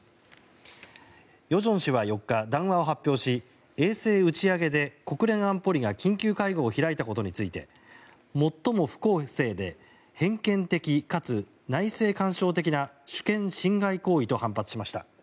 与正氏は４日、談話を発表し衛星打ち上げで国連安保理が緊急会合を開いたことについて最も不公正で偏見的かつ内政干渉的な主権侵害行為と反発しました。